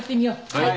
はい。